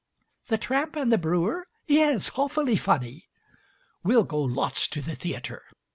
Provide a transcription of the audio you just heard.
"The tramp and the brewer? Yes. Awfully funny." "We'll go lots to the theatre!"